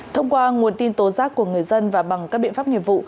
thông qua nguồn tin tố giác của người dân và bằng các biện pháp nghiệp vụ